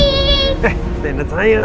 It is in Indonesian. eh dendet sayang